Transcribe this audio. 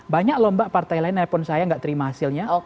banyak lomba partai lain nelpon saya nggak terima hasilnya